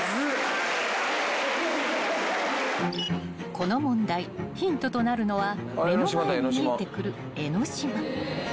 ［この問題ヒントとなるのは目の前に見えてくる江の島］